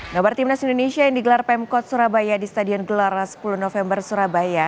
nobar timnas indonesia yang digelar pemkot surabaya di stadion gelora sepuluh november surabaya